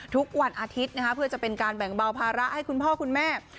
ทุกวันอาทิตย์เพื่อจะเป็นการแบ่งเบาภาระให้คุณพ่อคุณแม่